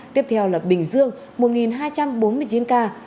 tiếp theo là bình dương một hai trăm bốn mươi chín ca